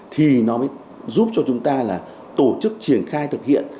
thì nó mới giúp cho chúng ta là tổ chức triển khai thực hiện